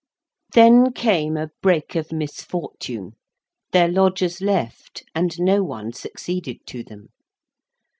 Then came a break of misfortune. Their lodgers left, and no one succeeded to them.